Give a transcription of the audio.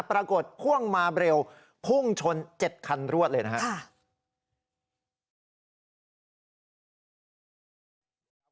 พ่วงมาเร็วพุ่งชน๗คันรวดเลยนะครับ